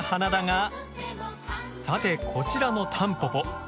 さてこちらのタンポポ